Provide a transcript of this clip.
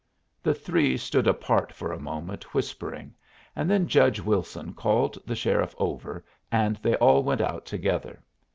The three stood apart for a moment whispering, and then Judge Wilson called the sheriff over, and they all went out together.